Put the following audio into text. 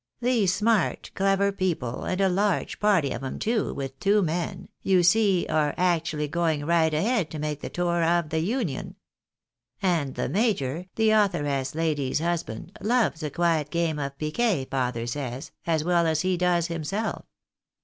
These smart, clever people, and a large party of 'em too, with two men, you see, are actualZi/ going right ahead to make the tour of the Union. And the major, the authoress lady's husband, loves a quiet game of piquet, father says, as well as he does himself.